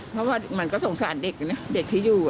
เพราะว่ามันก็สงสารเด็กนะเด็กที่อยู่